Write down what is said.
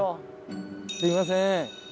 すいません。